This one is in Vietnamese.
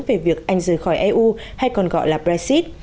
về việc anh rời khỏi eu hay còn gọi là brexit